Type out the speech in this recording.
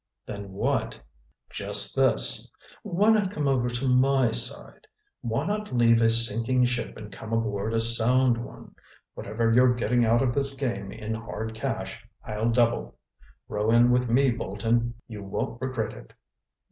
"Then what—?" "Just this. Why not come over to my side? Why not leave a sinking ship and come aboard a sound one? Whatever you're getting out of this game in hard cash, I'll double. Row in with me, Bolton. You won't regret it."